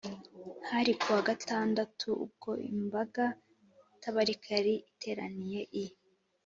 hari ku wa gatandatu, ubwo imbaga itabarika yari iteraniye i